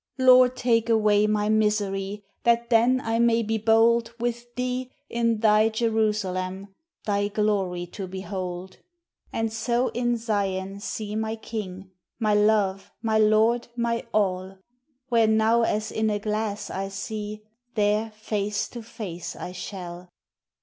Lord, take away my misery, That then I may be bold With Thee, in Thy Jerusalem, Thy glory to behold; And so in Zion see my king, My love, my Lord, my all Where now as in a glass I see, There face to face I shall.